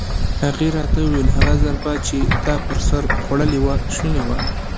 هغې راته وویل: هغه ضربه چې تا پر سر خوړلې وه شونې وه.